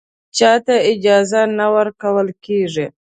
چا ته اجازه نه ورکول کېږي